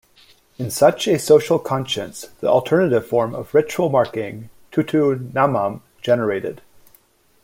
In such a social conscience, the alternative form of ritual marking 'Tottu Namam' generated.